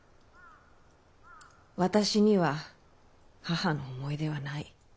私には母の思い出はない。